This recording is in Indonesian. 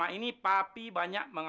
aku bilang keluar